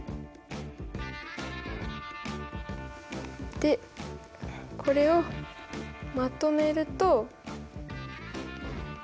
でこれをまとめると。